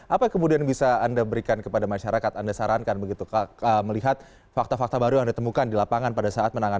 apa kemudian bisa anda berikan kepada masyarakat anda sarankan begitu melihat fakta fakta baru yang ditemukan di lapangan pada saat menemukan covid sembilan belas